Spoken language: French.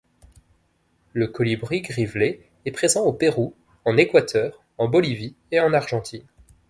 Le Colibri grivelé est présent au Pérou, en Équateur, en Bolivie et en Argentine.